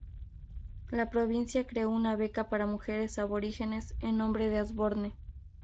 La provincia creó una beca para mujeres aborígenes en nombre de Osborne.